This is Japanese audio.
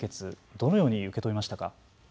どのように受け止めましたか。